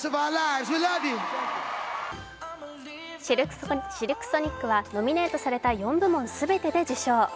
シルク・ソニックはノミネートされた４部門全てで受賞。